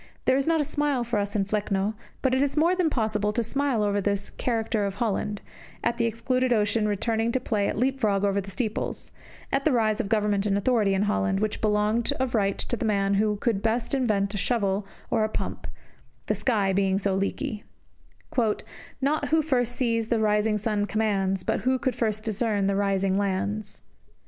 There is not a smile for us in "Flecno," but it is more than possible to smile over this "Character of Holland"; at the excluded ocean returning to play at leap frog over the steeples; at the rise of government and authority in Holland, which belonged of right to the man who could best invent a shovel or a pump, the country being so leaky: Not who first sees the rising sun commands, But who could first discern the rising lands.